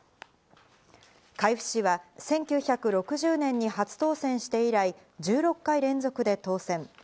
海部氏は１９６０年に初当選して以来１６回連続で当選。